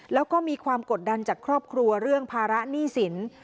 แล้วก็มีความกดดันจากครอบครัวเรื่องภาระหนี้สิน